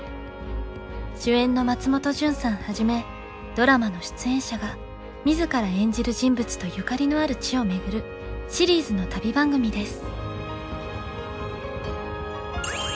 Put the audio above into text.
主演の松本潤さんはじめドラマの出演者が自ら演じる人物とゆかりのある地を巡るシリーズの旅番組です。